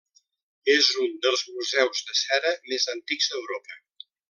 És un dels museus de cera més antics d'Europa.